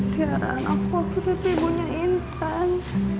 tiara anak aku aku tapi ibunya intan